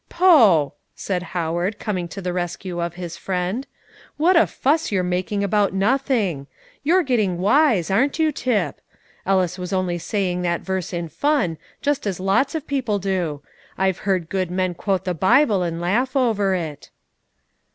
"Poh!" said Howard, coming to the rescue of his friend. "What a fuss you're making about nothing. You're getting wise, aren't you, Tip? Ellis was only saying that verse in fun, just as lots of people do. I've heard good men quote the Bible and laugh over it."